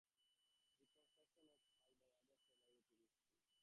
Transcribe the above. The construction of the hull by others proved too risky.